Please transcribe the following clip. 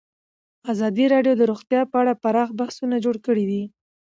ازادي راډیو د روغتیا په اړه پراخ بحثونه جوړ کړي.